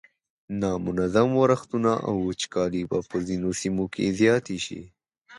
نامنظم ورښتونه او وچکالۍ به په ځینو سیمو کې زیاتې شي.